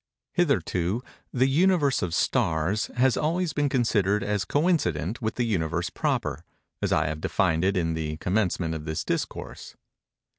Hitherto, the Universe of stars has always been considered as coincident with the Universe proper, as I have defined it in the commencement of this Discourse.